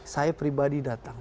saya pribadi datang